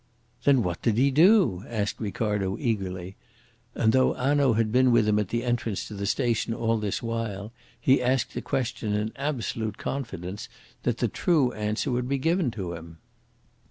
"Then what did he do?" asked Ricardo eagerly; and, though Hanaud had been with him at the entrance to the station all this while, he asked the question in absolute confidence that the true answer would be given to him.